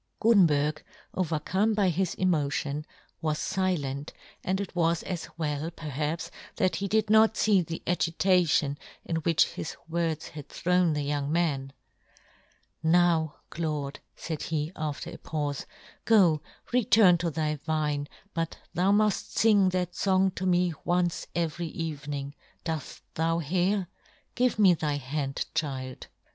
" Gutenberg, overcome by his emo tion, was filent, and it was as well, perhaps, that he did not fee the agi tation in which his words had thrown the young man. " Now, Claude," faid he, after a paufe, " go, return " to thy vine, but thou muft fing that " fong to me once every evening, " doft thou hear } Give me thy hand, "child."